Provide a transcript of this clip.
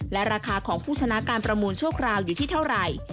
และราคาของผู้ชนะการประมูลชั่วคราวอยู่ที่เท่าไหร่